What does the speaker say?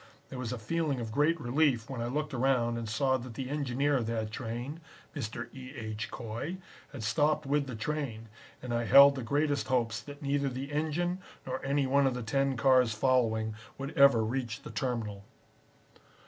There was a feeling of great relief when I looked around and saw that the engineer of that train, Mr. E. H. Coy, had stopped with the train, and I held the greatest hopes that neither the engine nor any one of the ten cars following would ever reach the terminal.